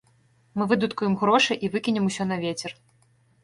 Мы выдаткуем грошы і выкінем усё на вецер.